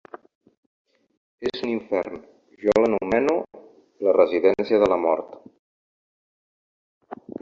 És un infern, jo l’anomeno “la residència de la mort”.